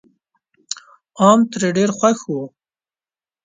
عوام ترې ډېر خوښ وو.